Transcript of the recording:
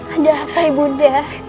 ada apa ibu bunda